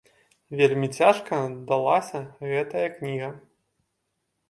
Вельмі цяжка далася гэтая кніга.